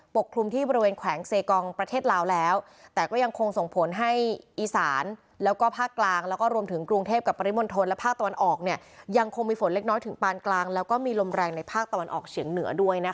กลุ่มที่บริเวณแขวงเซกองประเทศลาวแล้วแต่ก็ยังคงส่งผลให้อีสานแล้วก็ภาคกลางแล้วก็รวมถึงกรุงเทพกับปริมณฑลและภาคตะวันออกเนี่ยยังคงมีฝนเล็กน้อยถึงปานกลางแล้วก็มีลมแรงในภาคตะวันออกเฉียงเหนือด้วยนะคะ